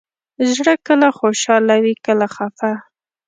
زړه کله خوشحاله وي، کله خفه.